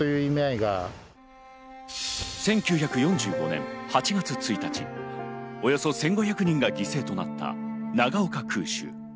１９４５年８月１日、およそ１５００人が犠牲となった長岡空襲。